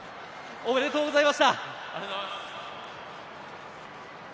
おめでとうございます。